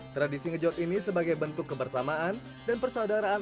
tradisi ngejot ini sebagai bentuk kebersamaan dan persaudaraan